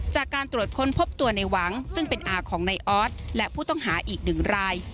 จากการตรวจค้นพบตัวในหวังซึ่งเป็นอาของนายออสและผู้ต้องหาอีกหนึ่งราย